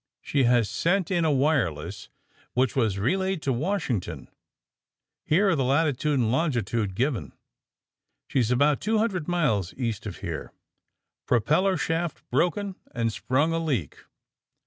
She has sent in a wireless, which was relayed to Washington. Here are the latitude and longitude given. She's about two hundred miles east of here. Propeller shaft broken and sprung a leak.